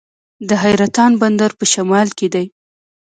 د حیرتان بندر په شمال کې دی